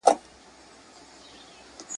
دلته سرتورو په ښراکلونه وپېیله ,